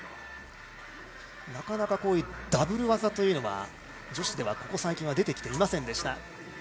ダブル技というのが女子ではここ最近で出てきていませんでした。